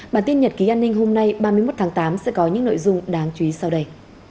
bản tin nhật ký an ninh hôm nay ba mươi một tháng tám sẽ có những nội dung đáng chú ý sau đây